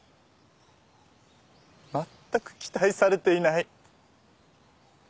まったく期待されていない。